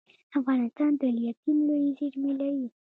افغانستان د لیتیم لویې زیرمې لري